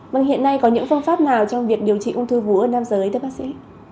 vâng hiện nay có những phương pháp nào trong việc điều trị ung thư vú ở nam giới thưa bác sĩ